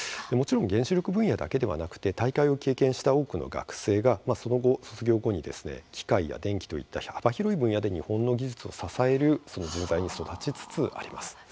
もちろん原子力分野だけではなく大会を経験した多くの学生がその後卒業後に機械や電機といった幅広い分野で日本の技術を支える人材に育ちつつあります。